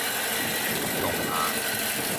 龍眼